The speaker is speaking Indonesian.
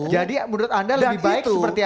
jadi menurut anda lebih baik seperti apa